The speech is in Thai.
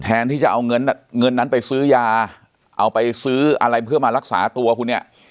ที่จะเอาเงินเงินนั้นไปซื้อยาเอาไปซื้ออะไรเพื่อมารักษาตัวคุณเนี่ย